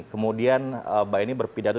kemudian mbak eni berpindah